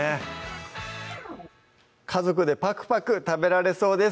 家族でパクパク食べられそうです